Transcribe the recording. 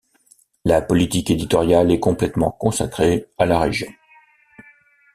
La politique éditoriale est complètement consacrée à la région.